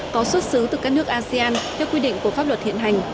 có xuất xứ từ các nước asean theo quy định của pháp luật hiện hành